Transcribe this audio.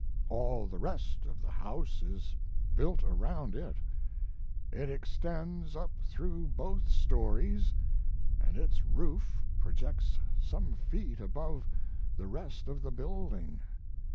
All the rest of the house is built around it; it extends up through both stories & its roof projects some feet above the rest of the building.